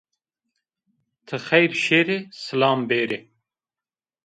Ti xeyr şêrê, silam bêrê